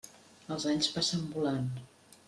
Els anys passen volant.